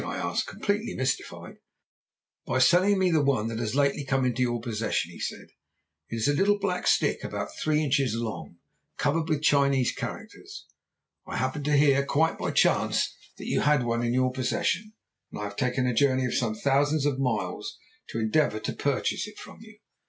I asked, completely mystified. "'By selling me one that has lately come into your possession,' he said. 'It is a little black stick, about three inches long and covered with Chinese characters. I happened to hear, quite by chance, that you had one in your possession, and I have taken a journey of some thousands of miles to endeavour to purchase it from you.'